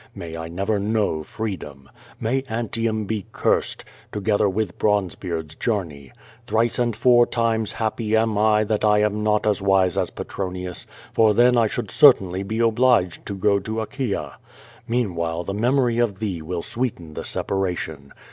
May I never know freedom. May Antium be cursed, together witli Ikonze beard's journey. I^hrice and four times happy am I that 1 am not as wise as Petronius, for then I should certainly be obliged to go to Achaia. Meanwhile the memory of thee will sweeten the separation.